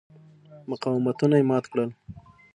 مقاومتونه یې مات کړل.